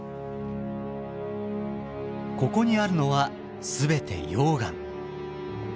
ここにあるのは全て溶岩。